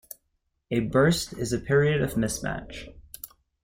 A bust is a period of mismatch.